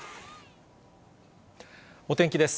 お天気です。